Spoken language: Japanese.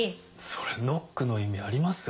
それノックの意味あります？